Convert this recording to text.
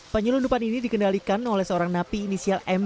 penyelundupan ini dikendalikan oleh seorang napi inisial m